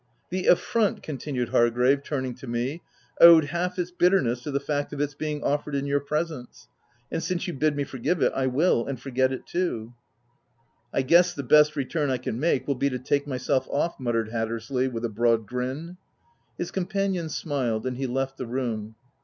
" The affront," continued Hargrave, turning to me, " owed half its bitterness to the fact of its being offered in your presence ; and since you bid me forgive it, I will — and forget it too." " I guess the best return I can make, will be to take myself off," muttered Hattersley, with a broad grin. His companion smiled; and he left the room.